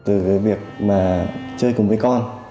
từ cái việc mà chơi cùng với con